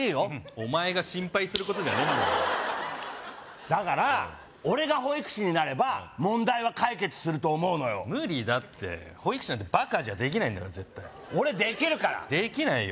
お前が心配することじゃねえんだよだから俺が保育士になれば問題は解決すると思うのよ無理だって保育士なんてバカじゃできないんだから絶対俺できるからできないよ